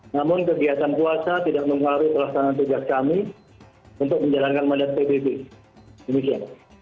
namun kegiatan puasa tidak mengaruhi perasaan dan pejabat kami untuk menjalankan mandat pbb di indonesia